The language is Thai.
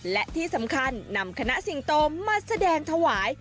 และที่สำคัญนำคณะสิงโตมาแสดงถวาย